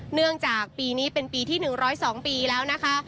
เนื่องจากปีนี้เป็นปีที่๑๐๒ปีแล้วนะคะ